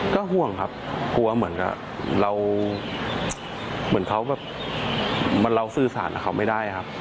ก็ห่วงครับกลัวเหมือนกับเราเหมือนเขาแบบเราสื่อสารกับเขาไม่ได้ครับ